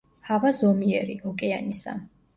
ჰავა ზომიერი, ოკეანისა.